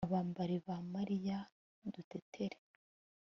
abambari ba mariya, dutetere